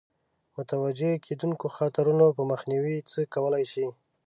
متوجه کېدونکو خطرونو په مخنیوي څه کولای شي.